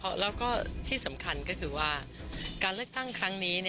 แล้วก็ที่สำคัญก็คือว่าการเลือกตั้งครั้งนี้